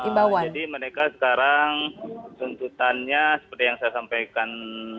jadi mereka sekarang tuntutannya seperti yang saya sampaikan